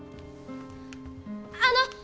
あの！